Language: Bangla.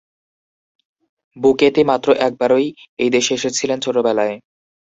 বুকেতি মাত্র একবারই এই দেশে এসেছিলেন, ছোটবেলায়।